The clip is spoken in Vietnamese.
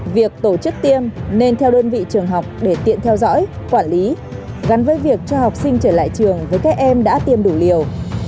việc tổ chức tiêm nên theo đơn vị trường học để tiện theo dõi quản lý gắn với việc cho học sinh trở lại trường với các em đã tiêm đủ liều